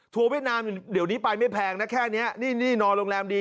เวียดนามเดี๋ยวนี้ไปไม่แพงนะแค่นี้นี่นอนโรงแรมดี